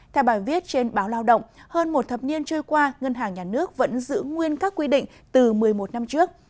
theo bài viết trên báo lao động hơn một thập niên trôi qua ngân hàng nhà nước vẫn giữ nguyên các quy định từ một mươi một năm trước